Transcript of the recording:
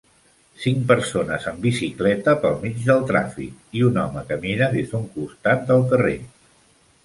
Cinc persones en bicicleta pel mig del tràfic i un home que mira des d'una costat del carrer.